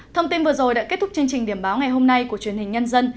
thông tin vừa rồi đã kết thúc chương trình điểm báo ngày hôm nay của truyền hình nhân dân